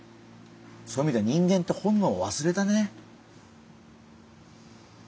そういう意味では人間って本能を忘れたね。